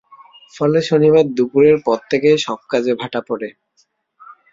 ফলে শনিবার দুপুরের পর থেকেই সব কাজে ভাটা পড়ে।